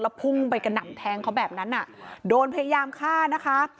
พุ่งไปกระหน่ำแทงเขาแบบนั้นอ่ะโดนพยายามฆ่านะคะ